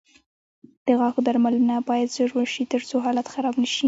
د غاښونو درملنه باید ژر وشي، ترڅو حالت خراب نه شي.